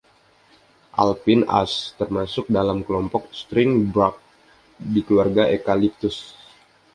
Alpine ash termasuk dalam kelompok Stringybark di keluarga ekaliptus.